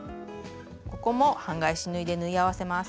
ここも半返し縫いで縫い合わせます。